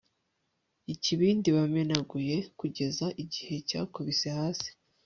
ikibindi bamenaguye kugeza igihe cyakubise hasi